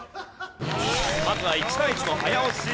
まずは１対１の早押し。